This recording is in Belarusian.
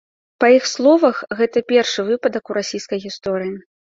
Па іх словах, гэта першы выпадак у расійскай гісторыі.